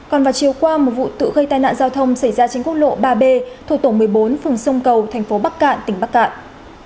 còn vào chiều qua một vụ tự gây tai nạn giao thông xảy ra trên quốc lộ ba b thuộc tổ một mươi bốn phường sông cầu thành phố bắc cạn tỉnh bắc cạn